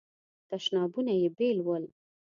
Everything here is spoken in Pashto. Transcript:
تشنابونه یې بیل ول.